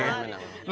ya kudanya menang